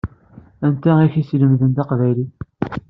Anti i k-yeslemden taqbaylit?